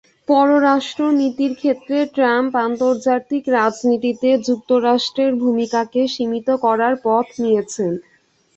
পররাষ্ট্রনীতির ক্ষেত্রে ট্রাম্প আন্তর্জাতিক রাজনীতিতে যুক্তরাষ্ট্রের ভূমিকাকে সীমিত করার পথ নিয়েছেন।